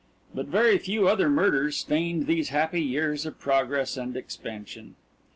But very few other murders stained these happy years of progress and expansion.